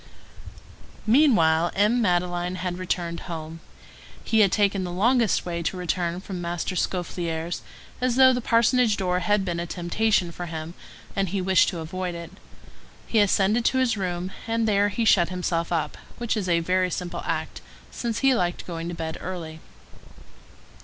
Meanwhile, M. Madeleine had returned home. He had taken the longest way to return from Master Scaufflaire's, as though the parsonage door had been a temptation for him, and he had wished to avoid it. He ascended to his room, and there he shut himself up, which was a very simple act, since he liked to go to bed early.